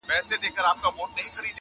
o مکتب د میني محبت ومه زه,